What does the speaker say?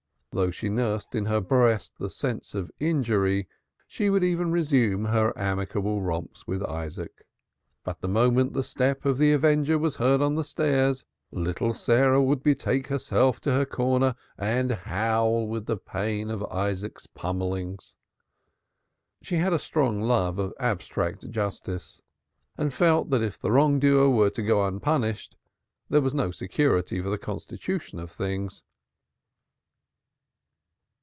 Though she nursed in her breast the sense of injury, she would even resume her amicable romps with Isaac. But the moment the step of the avenger was heard on the stairs, little Sarah would betake herself to the corner and howl with the pain of Isaac's pummellings. She had a strong love of abstract justice and felt that if the wrongdoer were to go unpunished, there was no security for the constitution of things.